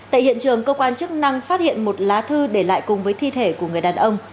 tại hiện trường cơ quan chức năng phát hiện một lá thư để lại cùng với thi thể của người đàn ông